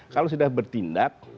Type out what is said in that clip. kalau sudah bertindak